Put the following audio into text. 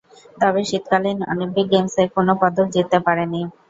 তবে শীতকালীন অলিম্পিক গেমসে কোন পদক জিততে পারেনি।